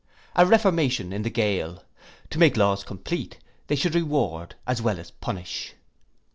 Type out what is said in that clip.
A reformation in the gaol. To make laws complete, they should reward as well as punish.